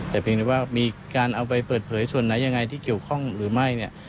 แต่เพียงแต่ว่ามีการเอาไปเปิดเผยส่วนไหนยังไงที่เกี่ยวข้องหรือไม่เนี่ย